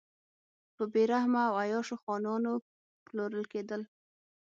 په بې رحمه او عیاشو خانانو پلورل کېدل.